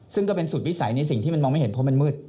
ซึ่งก็เป็นสุดวิสัยในสิ่งที่มันมองไม่เห็นเพราะมันมืด